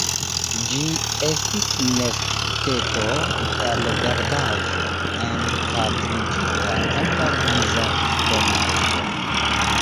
Ĝi estis nesteto el verdaĵo, enkadrigita en la griza ŝtonego.